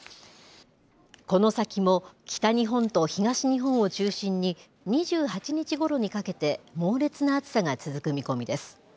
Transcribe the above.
この先も北日本と東日本を中心に２８日ごろにかけて、猛烈な暑さが続く見込みです。